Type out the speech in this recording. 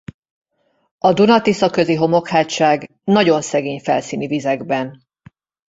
A Duna–Tisza közi homokhátság nagyon szegény felszíni vizekben.